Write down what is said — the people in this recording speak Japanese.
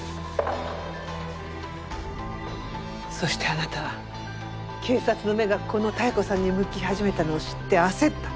そしてあなたは警察の目がこの妙子さんに向き始めたのを知って焦った。